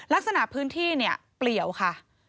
ลักษณะพื้นที่เปลี่ยวค่ะ